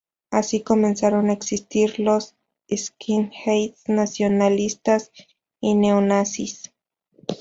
Así comenzaron a existir los skinheads nacionalistas y neo-nazis.